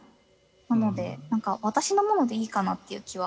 なので何か私のものでいいかなっていう気は。